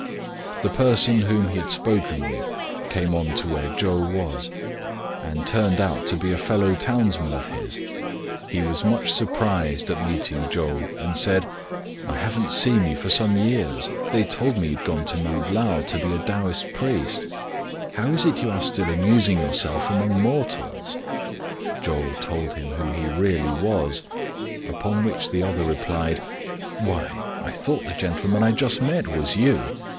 The person whom he had spoken with came on to where Chou was, and turned out to be a fellow townsman of his. He was much surprised at meeting Chou, and said, "I haven't seen you for some years. They told me you had gone to Mount Lao to be a Taoist priest. How is it you are still amusing yourself among mortals?" Chou told him who he really was; upon whicli the other replied, " Why, I thought the gentleman I just met was you